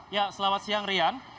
ya selamat siang rian